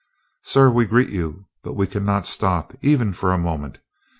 "Sir, we greet you, but we cannot stop, even for a moment.